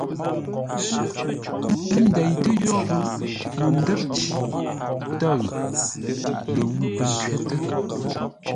Ə́ ndeitə́ yórə́, no ndə́r nci tə̂ʉ, ləwʉ̂ pə̂ ncwótə́.